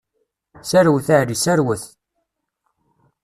Serwet a Ɛli, serwet!